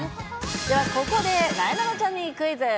ではここでなえなのちゃんにクイズ。